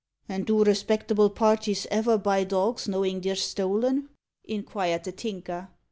"And do respectable parties ever buy dogs knowin' they're stolen?" inquired the Tinker.